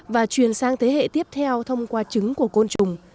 và truyền sang thế hệ tiếp theo thông qua trứng của côn trùng